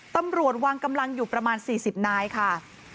ตำรวจวางกำลังอยู่ประมาณ๔๐นายค่ะ